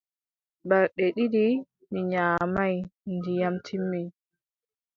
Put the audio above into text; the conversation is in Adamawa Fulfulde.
Balɗe ɗiɗi mi nyaamaay, ndiyam timmi.